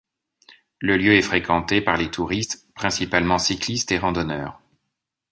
Le lieu est fréquenté par les touristes, principalement cyclistes et randonneurs.